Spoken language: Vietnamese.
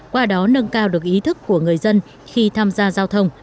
qua đó nâng cao được ý thức của người dân khi tham gia giao thông